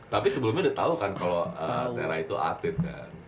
tapi sebelumnya udah tau kan kalau tera itu atlet kan